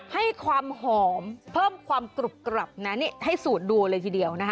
ให้ความหอมเพิ่มความกรุบกรับนะนี่ให้สูตรดูเลยทีเดียวนะคะ